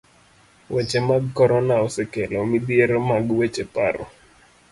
Weche mag korona osekelo midhiero mag weche paro.